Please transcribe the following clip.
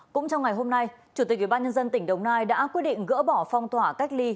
cũng trong ngày hôm nay chủ tịch ubnd tỉnh đồng nai đã quyết định gỡ bỏ phong tỏa cách ly